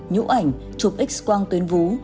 nhũ ảnh chụp x quang tuyến vú